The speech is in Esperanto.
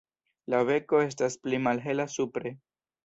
La beko estas pli malhela supre.